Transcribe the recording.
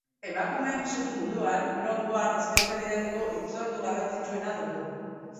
Emakumeen surf munduan, longboard espezialitateko hitzordu garrantzitsuena dugu.